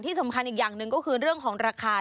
สำคัญอีกอย่างหนึ่งก็คือเรื่องของราคา